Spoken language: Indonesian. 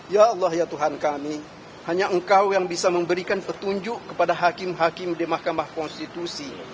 ya allah ya tuhan kami hanya engkau yang bisa memberikan petunjuk kepada hakim hakim di mahkamah konstitusi